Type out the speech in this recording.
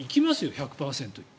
１００％に。